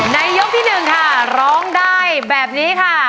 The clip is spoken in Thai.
ในยกที่หนึ่งค่ะร้องได้แบบนี้ค่ะ